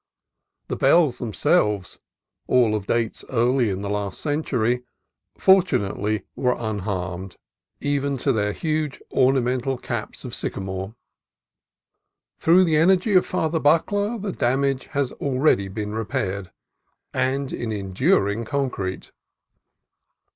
The bells themselves, all of dates early in the last century, fortunately were unharmed, even to their huge ornamental caps of sycamore. Through the energy of Father Buckler the damage has already been repaired, and in en during concrete.